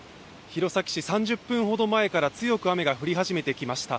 弘前市、３０分ほど前から強く雨が降り始めてきました。